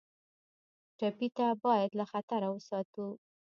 ټپي ته باید له خطره وساتو.